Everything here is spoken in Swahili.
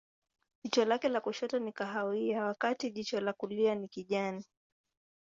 Jicho lake la kushoto ni kahawia, wakati jicho la kulia ni kijani.